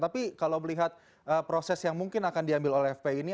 tapi kalau melihat proses yang mungkin akan diambil oleh fpi ini